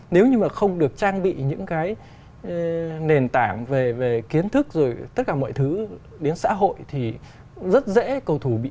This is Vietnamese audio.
nếu như mà không được trang bị những cái nền tảng về kiến thức rồi tất cả mọi thứ đến xã hội thì rất dễ cầu thủ